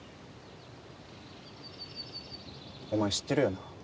お前、知ってるよな？